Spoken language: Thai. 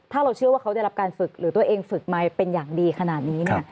ถ้าเราเชื่อว่าเขาได้รับการฝึกหรือตัวเองฝึกมาเป็นอย่างดีขนาดนี้